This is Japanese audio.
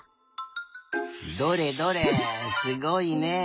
どれどれすごいね。